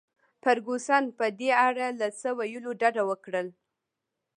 فرګوسن په دې اړه له څه ویلو ډډه وکړل.